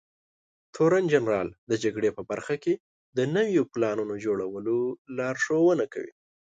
تورنجنرال د جګړې په برخه کې د نويو پلانونو جوړولو لارښونه کوي.